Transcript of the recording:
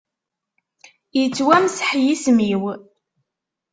Ittwamseḥ yism-iw.